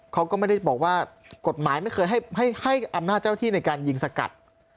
เขาก็ไม่ได้บอกว่ากฎหมายไม่เคยให้อำนาจเจ้าที่ในการยิงสกัด